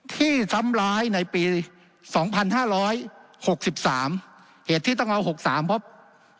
ที่ซ้ำร้ายในปีสองพันห้าร้อยหกสิบสามเหตุที่ต้องเอาหกสามเพราะ